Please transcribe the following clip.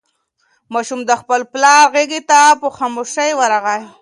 ماشوم د خپل پلار غېږې ته په خوښۍ ورغی.